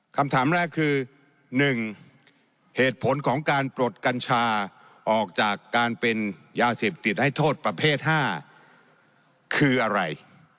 คำถามแรกคือ๑เหตุผลของการปลดกัญชาออกจากการเป็นยาเสพติดให้โทษประเภท๕คืออะไร